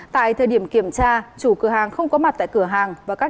tại thời điểm kiểm tra chủ cửa hàng không có mặt tại cửa hàng